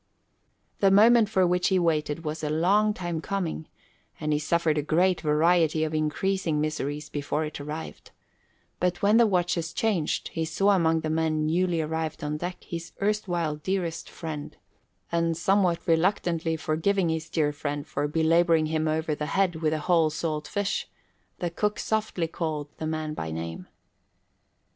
The moment for which he waited was a long time coming and he suffered a great variety of increasing miseries before it arrived; but when the watches changed, he saw among the men newly arrived on deck his erstwhile dearest friend, and somewhat reluctantly forgiving his dear friend for belabouring him over the head with a whole salt fish, the cook softly called the man by name.